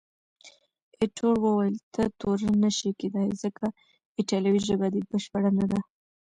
ایټور وویل، ته تورن نه شې کېدای، ځکه ایټالوي ژبه دې بشپړه نه ده.